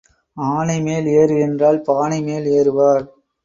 ஆனை மேல் ஏறு என்றால் பானை மேல் ஏறுவார்?